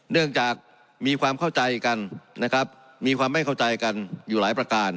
เนื่องจากมีความเข้าใจกันนะครับมีความไม่เข้าใจกันอยู่หลายประการ